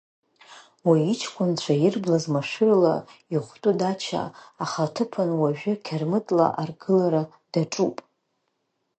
Уи иҷкәынцәа ирблыз машәырла иӷәтәы дача ахаҭыԥан уажәы қьырмытла аргылара даҿуп.